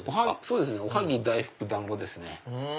おはぎ大福団子ですね。